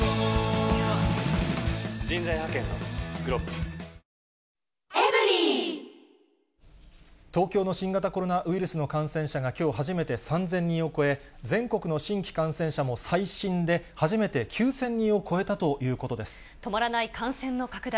感染する速度のほうが圧倒的東京の新型コロナウイルスの感染者がきょう初めて３０００人を超え、全国の新規感染者も最新で初めて９０００人を超えたということで止まらない感染の拡大。